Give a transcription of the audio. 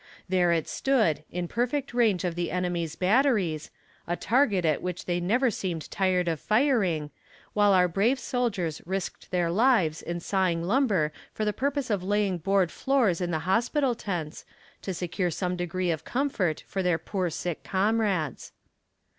There it stood, in perfect range of the enemy's batteries, a target at which they never seemed tired of firing, while our brave soldiers risked their lives in sawing lumber for the purpose of laying board floors in the hospital tents, to secure some degree of comfort, for their poor sick comrades.